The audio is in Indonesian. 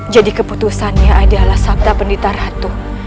jadi keputusamu adalah sabda penditar ratu